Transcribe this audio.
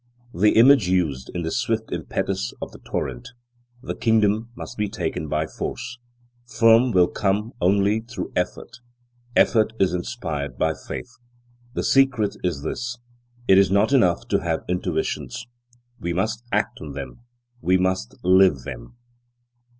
The image used is the swift impetus of the torrent; the kingdom must be taken by force. Firm will comes only through effort; effort is inspired by faith. The great secret is this: it is not enough to have intuitions; we must act on them; we must live them.